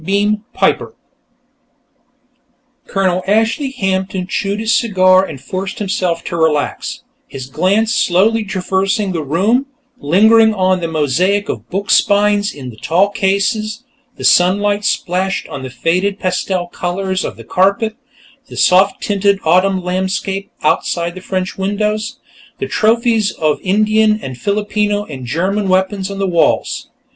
BEAM PIPER Colonel Ashley Hampton chewed his cigar and forced himself to relax, his glance slowly traversing the room, lingering on the mosaic of book spines in the tall cases, the sunlight splashed on the faded pastel colors of the carpet, the soft tinted autumn landscape outside the French windows, the trophies of Indian and Filipino and German weapons on the walls.